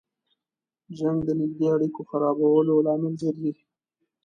جنګ د نږدې اړیکو خرابولو لامل ګرځي.